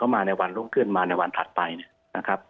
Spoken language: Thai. เขามาในวันลุกขึ้นมาในวันถัดไปนะครับ